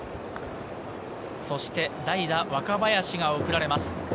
そして代打・若林が送られます。